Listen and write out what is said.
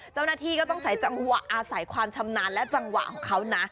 เจ้าหน้าที่ก็ต้องใช้จังหวะอาศัยความชำนาญและจังหวะของเขานะ